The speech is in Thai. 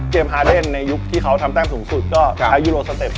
ฮาเดนในยุคที่เขาทำแต้มสูงสุดก็ใช้ยูโรสเต็ป